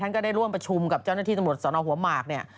ก็ได้ร่วมประชุมกับเจ้าหน้าที่ตำรวจสนหัวหมากเนี่ย